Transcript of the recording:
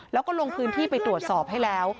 แล้วก็ลงพื้นที่ไปตรวจสอบให้แล้ว